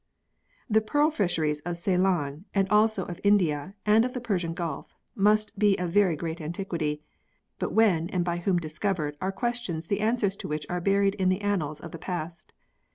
The pearl fisheries of Ceylon and also of India and the Persian Gulf, must be of very great antiquity, but when and by whom discovered, are questions the answers to which are buried in the annals of the past.